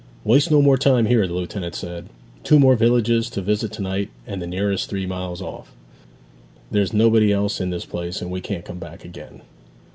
'Waste no more time here,' the lieutenant said. 'Two more villages to visit to night, and the nearest three miles off. There's nobody else in this place, and we can't come back again.'